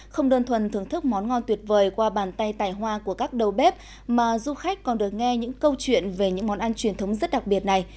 không đơn thuần thưởng thức món ngon tuyệt vời qua bàn tay tài hoa của các đầu bếp mà du khách còn được nghe những câu chuyện về những món ăn truyền thống rất đặc biệt này